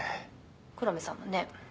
「黒目さんもね